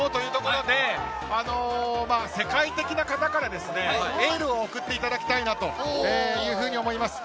これからの頑張りをということで、世界的な方からエールを送っていただきたいなというふうに思います。